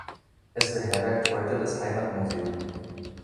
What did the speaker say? Es beherbergt heute das Heimatmuseum.